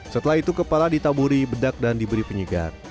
setelah itu kepala ditaburi bedak dan diberi penyegar